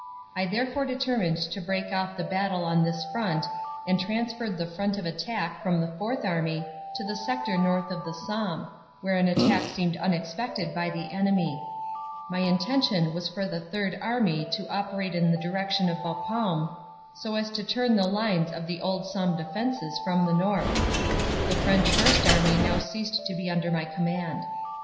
I therefore determined to break off the battle on this front, and transferred the front of attack from the Fourth Army to the sector north of the Somme, where an attack seemed unexpected by the enemy. My inten tion was for the Third Army to operate in the direction of Bapaume so as to turn the lines of the old Somme defenses from the north. The French First Army now ceased to be under my command.